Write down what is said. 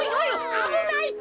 あぶないって。